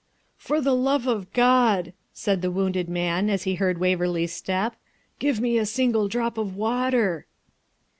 'For the love of God,' said the wounded man, as he heard Waverley's step, 'give me a single drop of water!'